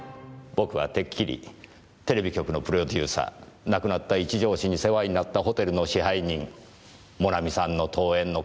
僕はてっきりテレビ局のプロデューサー亡くなった一条氏に世話になったホテルの支配人モナミさんの遠縁の加藤先生